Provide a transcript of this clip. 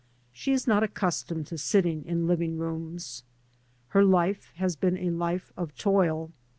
She is not accustomed to sitting in living rooms. Her life has been a life of toil.